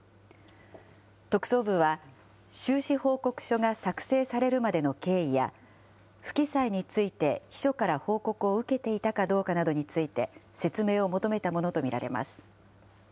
特捜部は、収支報告書が作成されるまでの経緯や、不記載について秘書から報告を受けていたかどうかなどについて説明を求めたものと見られます。